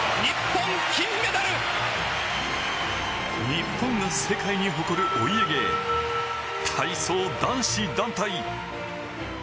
日本が世界に誇るお家芸、体操男子団体。